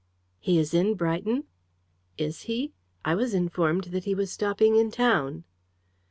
"He is in Brighton?" "Is he? I was informed that he was stopping in town."